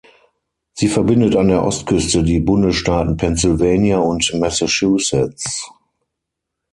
Sie verbindet an der Ostküste die Bundesstaaten Pennsylvania und Massachusetts.